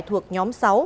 thuộc nhóm sáu